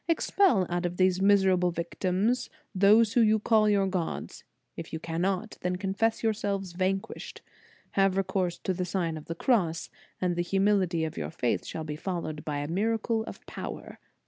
Expel out of these misera ble victims those whom you call your gods. If you cannot, then confess yourselves van quished. Have recourse to the Sign of the * De vit. S. Anton. In the Nineteenth Century. 221 Cross, and the humility of your faith shall be followed by a miracle of power."